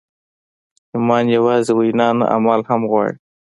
ایمان یوازې وینا نه، عمل هم غواړي.